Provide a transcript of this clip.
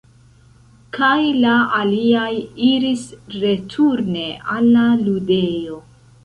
Kaj la aliaj iris returne al la ludejo.